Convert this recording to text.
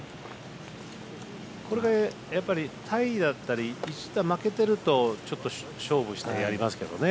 これでタイだったり１打負けてるとちょっと勝負したくなりますけどね